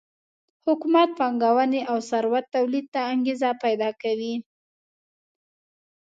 حکومت پانګونې او ثروت تولید ته انګېزه پیدا کوي